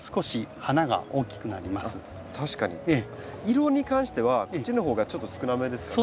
色に関してはこっちの方がちょっと少なめですかね。